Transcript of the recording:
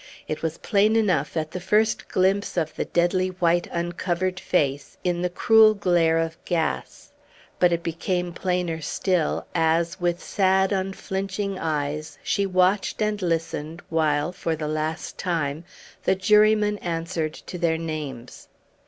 It was plain enough at the first glimpse of the deadly white, uncovered face, in the cruel glare of gas. But it became plainer still as, with sad, unflinching eyes, she watched and listened while, for the last time, the jurymen answered to their names.